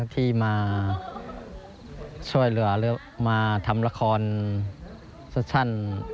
ที่มาช่วยเหลือมาทำละครสักชั่น